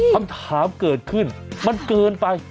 คำถามเกิดขึ้นมันเกินไป